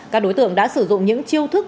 các đối tượng đã sử dụng những chiêu thức